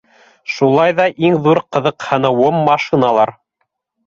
Шулай ҙа иң ҙур ҡыҙыҡһыныуым - машиналар.